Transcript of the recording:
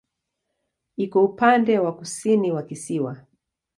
Iko upande wa kusini wa kisiwa.